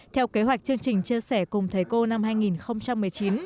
theo kế hoạch chương trình chia sẻ cùng thầy cô năm hai nghìn một mươi chín